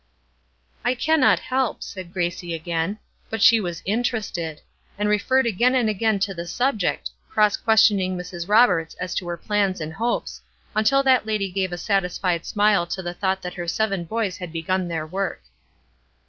"I cannot help," said Gracie again, but she was interested, and referred again and again to the subject, cross questioning Mrs. Roberts as to her plans and hopes, until that lady gave a satisfied smile to the thought that her seven boys had begun their work.